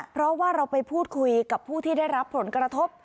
เพราะว่าเราไปพูดคุยกับผู้ที่ได้รับผลกระทบ